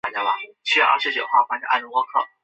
瘦蛋白是一种新近发现的蛋白质荷尔蒙。